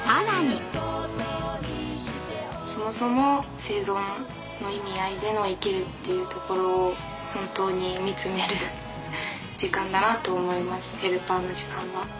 そもそも生存の意味合いでの生きるっていうところを本当に見つめる時間だなと思います。